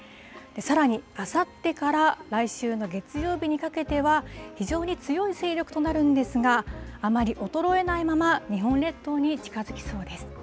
さらにあさってから来週の月曜日にかけては、非常に強い勢力となるんですが、あまり衰えないまま、日本列島に近づきそうです。